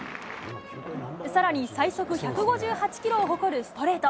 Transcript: さらに最速１５８キロを誇るストレート。